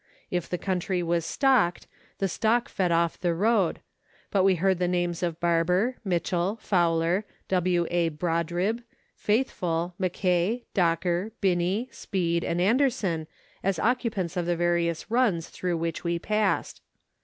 If the country was stocked, the stock fed off the road, but we heard the names of Barber, Mitchell, Fowler, W. A. Brodribb, Faithfull, Mackay, Docker, Binney, Speed, and Anderson, as occupants of the various runs through which we passed.